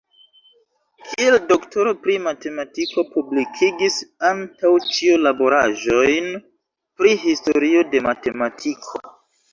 Kiel doktoro pri matematiko publikigis antaŭ ĉio laboraĵojn pri historio de matematiko.